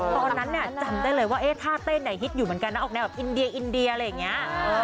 ตอนนั้นจำได้เลยว่าท่าเต้นฮิตอยู่เหมือนกันนะออกแนวแบบอินเดียอินเดียอะไรอย่างนี้